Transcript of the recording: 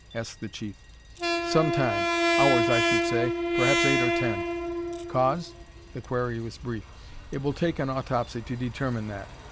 asked the Chief. "Some time. Hours I should say perhaps eight or ten." "Cause?" the query was brief. "It will take an autopsy to determine that.